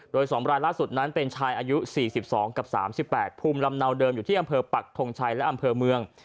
โดย๒รายล่าสุดนั้นเป็นชายอายุ๔๒กับ๓๘ภูมิลำเนาเดิมอยู่ที่อำเภอปักทงชัยและอำเภอเมือง